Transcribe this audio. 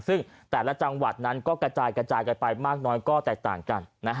ซึ่งแต่ละจังหวัดนั้นก็กระจายกระจายกันไปมากน้อยก็แตกต่างกัน